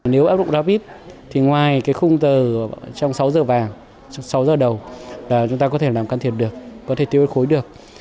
nếu áp dụng rapid thì ngoài cái khung tờ trong sáu giờ vàng trong sáu giờ đầu là chúng ta có thể làm can thiệp được có thể tiêu hơi khối được